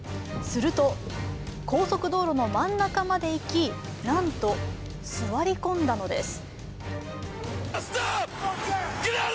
すると、高速道路の真ん中まで行きなんと座り込んだのです。